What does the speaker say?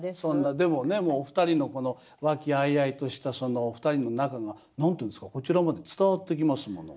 でもねお二人のこの和気あいあいとしたそのお二人の仲が何て言うんですかこちらまで伝わってきますもの。